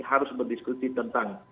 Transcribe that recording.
harus berdiskusi tentang